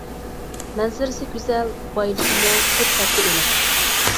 مەنزىرىسى گۈزەل، بايلىقى مول، تۆت پەسلى ئېنىق.